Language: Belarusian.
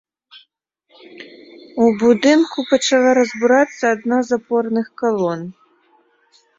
У будынку пачала разбурацца адна з апорных калон.